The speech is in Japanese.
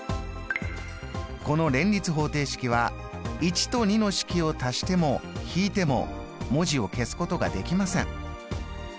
この連立方程式は１と２の式を足しても引いても文字を消すことができません。